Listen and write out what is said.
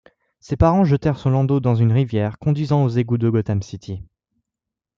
Ses parents jetèrent son landau dans une rivière conduisant aux égouts de Gotham City.